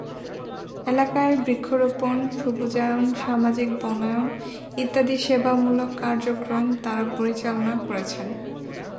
এলাকায় বৃক্ষরোপণ, সবুজায়ন, সামাজিক বনায়ন ইত্যাদি সেবামূলক কার্যক্রম তাঁরা পরিচালনা করছেন।